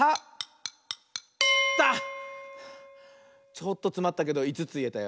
ちょっとつまったけど５ついえたよ。